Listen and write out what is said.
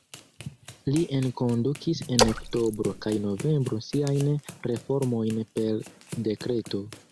Li enkondukis en oktobro kaj novembro siajn reformojn per dekreto.